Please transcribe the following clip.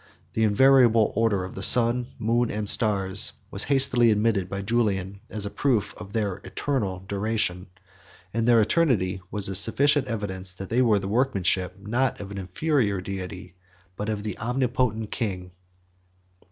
The invariable order of the sun, moon, and stars, was hastily admitted by Julian, as a proof of their eternal duration; and their eternity was a sufficient evidence that they were the workmanship, not of an inferior deity, but of the Omnipotent King.